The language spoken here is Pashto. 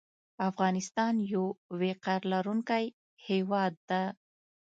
افغانستان یو وقار لرونکی هیواد ده